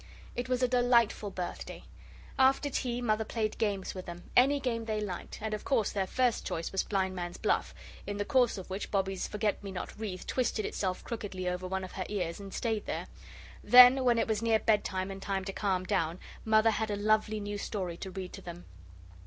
It was a delightful birthday. After tea Mother played games with them any game they liked and of course their first choice was blindman's buff, in the course of which Bobbie's forget me not wreath twisted itself crookedly over one of her ears and stayed there. Then, when it was near bed time and time to calm down, Mother had a lovely new story to read to them.